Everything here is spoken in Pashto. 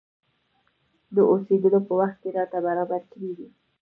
د اوسېدلو په وخت کې راته برابر کړي دي.